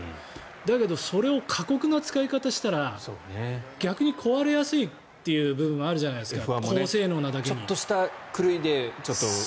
だけど、それを過酷な使い方したら逆に壊れやすいという部分があるじゃないですか